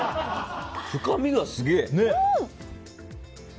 深みがすげえ。